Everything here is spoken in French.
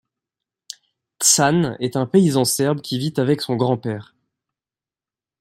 Tsane est un paysan serbe qui vit avec son grand-père.